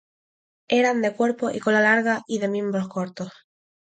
Eran de cuerpo y cola larga y de miembros cortos.